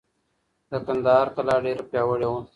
د کندهار کلا ډېره پیاوړې وه.